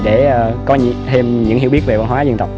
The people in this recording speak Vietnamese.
để có thêm những hiểu biết về văn hóa dân tộc